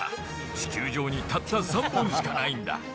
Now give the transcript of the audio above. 地球上にたった３本しかないんだ。